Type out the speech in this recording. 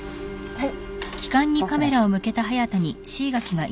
はい。